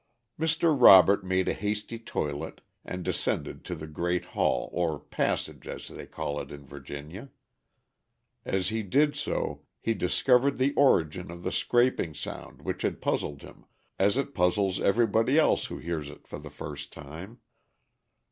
Mr. Robert made a hasty toilet and descended to the great hall, or passage, as they call it in Virginia. As he did so he discovered the origin of the scraping sound which had puzzled him, as it puzzles everybody else who hears it for the first time.